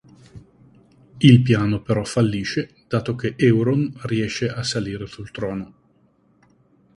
Il piano però fallisce dato che Euron riesce a salire sul trono.